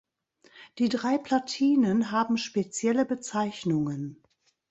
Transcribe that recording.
Die drei Platinen haben spezielle Bezeichnungen.